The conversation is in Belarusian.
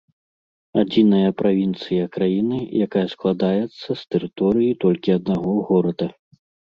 Адзіная правінцыя краіны, якая складаецца з тэрыторыі толькі аднаго горада.